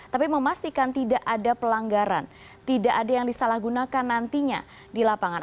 tapi memastikan tidak ada pelanggaran tidak ada yang disalahgunakan nantinya di lapangan